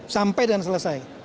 sampai dan selesai